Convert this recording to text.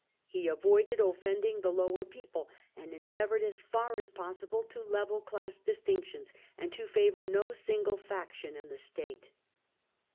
He avoided offending the lower people, and endeavoured as far as possible to level class distinctions and to favour no single faction in the State.